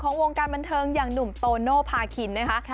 ของวงการบันเทิร์งอย่างหุมโตโโน่พาขินนะคะ